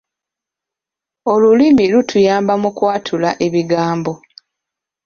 Olulimi lutuyamba mu kwatula ebigambo.